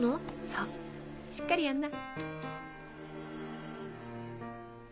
そうしっかりやんな。